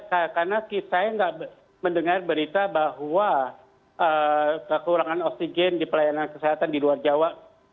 karena saya tidak mendengar berita bahwa kekurangan oksigen di pelayanan kesehatan di luar jawa